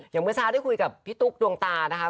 เมื่อเช้าได้คุยกับพี่ตุ๊กดวงตานะคะ